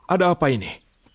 ada apa ini